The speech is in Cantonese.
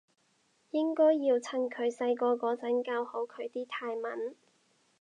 應該要趁佢細個嗰陣教好佢啲泰文